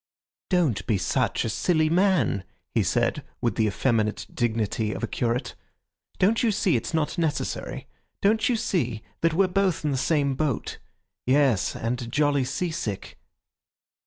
"Don't be such a silly man," he said, with the effeminate dignity of a curate. "Don't you see it's not necessary? Don't you see that we're both in the same boat? Yes, and jolly sea sick."